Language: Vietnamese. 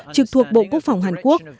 trực thuộc bộ quốc phòng hàn quốc